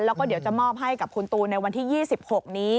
แล้วก็เดี๋ยวจะมอบให้กับคุณตูนในวันที่๒๖นี้